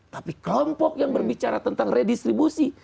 tapi kelompok yang berbicara tentang redistribusi